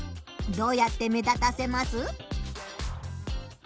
どうやって目立たせます？